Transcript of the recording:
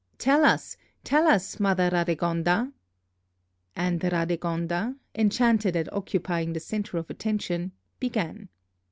"Tell us, tell us, Mother Radegonda." And Radegonda, enchanted at occupying the centre of attention, began.